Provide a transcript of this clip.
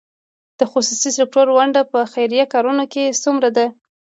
د خصوصي سکتور ونډه په خیریه کارونو کې څومره ده؟